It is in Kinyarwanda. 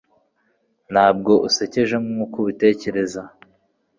Ntabwo usekeje nkuko ubitekereza